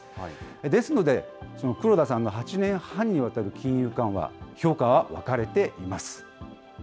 ですので、黒田さんの８年半にわたる金融緩和、評価は分かれています。